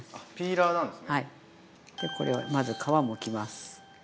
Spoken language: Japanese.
でこれをまず皮をむきます。